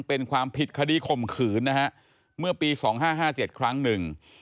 เป็นความผิดคดีข่มขืนนะฮะเมื่อปี๒๕๕๗ครั้งหนึ่ง